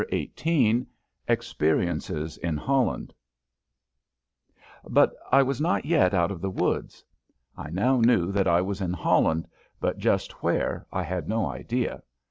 XVIII EXPERIENCES IN HOLLAND But I was not yet quite out of the woods. I now knew that I was in Holland, but just where I had no idea.